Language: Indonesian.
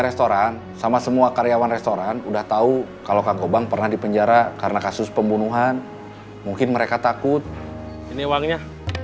sampai jumpa di video selanjutnya